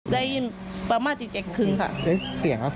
ไม่มีค่ะ